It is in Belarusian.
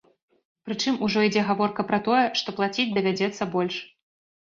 Прычым ужо ідзе гаворка пра тое, што плаціць давядзецца больш.